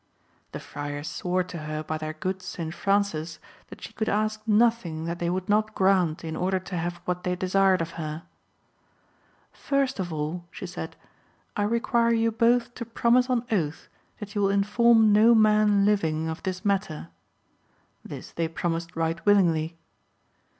The friars swore to her by their good St. Francis that she could ask nothing that they would not grant in order to have what they desired of her. "First of all," she said, "I require you both to promise on oath that you will inform no man living of this matter." This they promised right willingly.